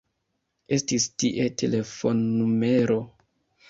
Estis tie telefonnumero.